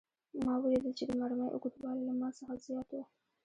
ما ولیدل چې د مرمۍ اوږدوالی له ما څخه زیات و